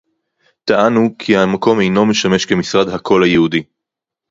"טענו כי המקום אינו משמש כמשרד "הקול היהודי"